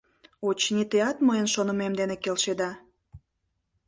Очыни, теат, мыйын шонымем дене келшеда.